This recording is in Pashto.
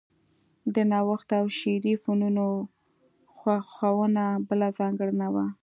د نوښت او شعري فنونو خوښونه بله ځانګړنه وه